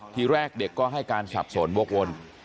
ทีแรกเด็กก็ให้การสับสนวกวน